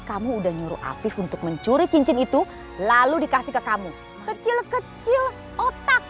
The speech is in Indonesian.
kamu udah nyuruh afif untuk mencuri cincin itu lalu dikasih ke kamu kecil kecil otak